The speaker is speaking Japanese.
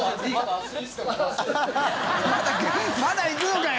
まだ行くのかよ！